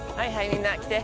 みんな来て。